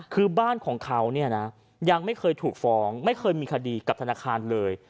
คือบ้านของเขาเนี่ยนะยังไม่เคยถูกฟ้องไม่เคยมีคดีกับธนาคารเลย